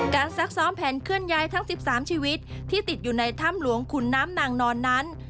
ซักซ้อมแผนเคลื่อนย้ายทั้ง๑๓ชีวิตที่ติดอยู่ในถ้ำหลวงขุนน้ำนางนอนนั้น